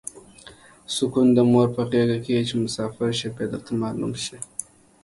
سوکون د مور په غیګه ده چی مسافر شی بیا به درته معلومه شی